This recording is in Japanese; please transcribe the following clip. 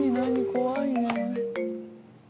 怖いな。